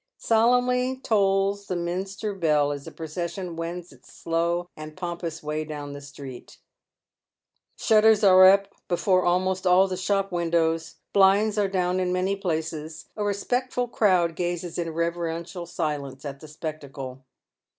Solemnly tolls the minster bell as the procession wends its slow and pompous way down the street. Shutters are up before almost all the shop windows — blinds are down in many places — a respectful crowd gazes in reverential silence at the spectacle.